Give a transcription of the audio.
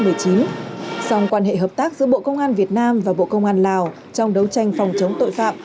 trong quan hệ hợp tác giữa bộ công an việt nam và bộ công an lào trong đấu tranh phòng chống tội phạm